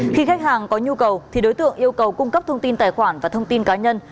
khi khách hàng có nhu cầu thì đối tượng yêu cầu cung cấp thông tin tài khoản và thông tin cá nhân